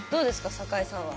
坂井さんは。